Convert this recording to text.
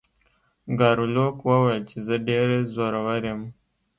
ګارلوک وویل چې زه ډیر زورور یم.